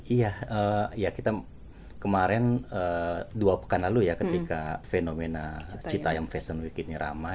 iya kita kemarin dua pekan lalu ya ketika fenomena citayam fashion week ini ramai